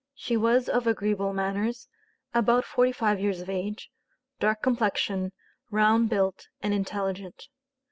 She was of agreeable manners, about forty five years of age, dark complexion, round built, and intelligent.